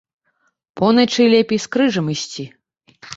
Поначы лепей з крыжам ісці.